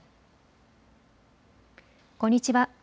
こんにちは。